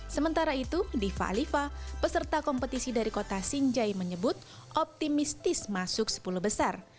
sementara itu diva aliva peserta kompetisi dari kota sinjai menyebut optimistis masuk sepuluh besar